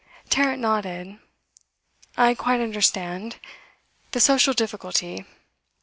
Tarrant nodded. 'I quite understand. The social difficulty.